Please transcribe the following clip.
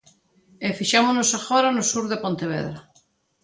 E fixámonos agora no sur de Pontevedra.